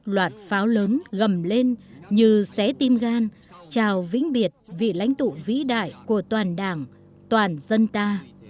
hai mươi một loạt pháo lớn gầm lên như xé tim gan chào vĩnh biệt vị lãnh tụ vĩ đại của toàn đảng toàn dân ta